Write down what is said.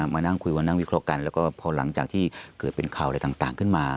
มานั่งคุยมานั่งวิเคราะห์กันแล้วก็พอหลังจากที่เกิดเป็นข่าวอะไรต่างขึ้นมา